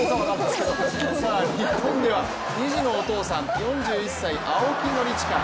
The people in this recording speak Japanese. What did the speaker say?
日本では２児のお父さん４１歳、青木宣親。